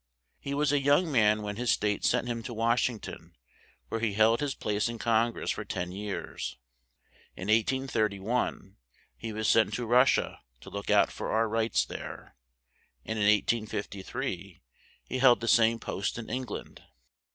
He was a young man when his state sent him to Wash ing ton where he held his place in Con gress for ten years. In 1831 he was sent to Rus sia to look out for our rights there; and in 1853 he held the same post in Eng land.